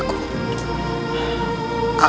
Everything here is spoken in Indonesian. aku tidak mau